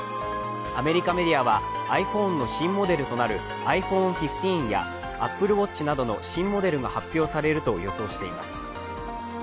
アメリカメディアはｉＰｈｏｎｅの新モデルとなるｉＰｈｏｎｅ１５やＡｐｐｌｅＷａｔｃｈなどの新モデルが発表されると予想しています。